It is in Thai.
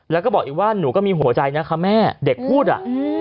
แล้วก็บอกอีกว่าหนูก็มีหัวใจนะคะแม่เด็กพูดอ่ะ